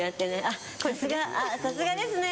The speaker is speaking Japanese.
さすがですね！